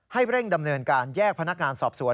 เร่งดำเนินการแยกพนักงานสอบสวน